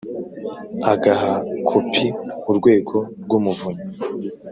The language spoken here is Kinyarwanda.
agaha kopi Urwego rw Umuvunyi